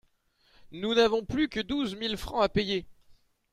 Nous n'avons plus que douze mille francs à payer.